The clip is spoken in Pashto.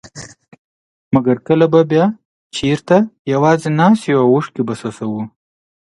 مګر کله به بيا چېرته يوازي ناست يو او اوښکي به څڅوو.